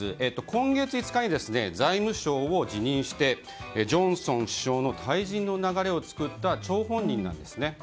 今月５日に財務相を辞任してジョンソン首相の退陣の流れを作った張本人です。